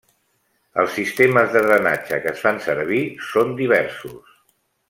Els sistemes de drenatge que es fan servir són diversos.